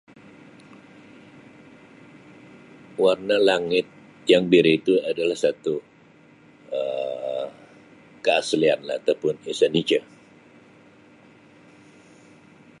"Warna langit yang biru itu adalah satu Um keaslian lah ataupun ""signature"". "